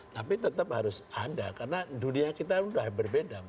tapi tetap harus ada karena dunia kita sudah berbeda